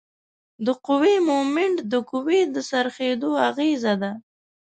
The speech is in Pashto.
د قوې مومنټ د قوې د څرخیدو اغیزه ده.